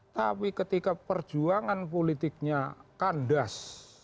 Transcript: tapi ketika perjuangan politiknya kandas